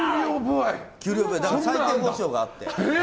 最低保証があって。